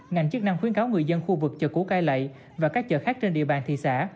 ngành chức năng khuyến cáo người dân khu vực chợ củ cai lậy và các chợ khác trên địa bàn thị xã